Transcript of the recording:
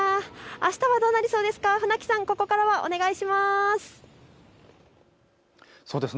あしたはどうなりそうですか、船木さん、ここからはお願いします。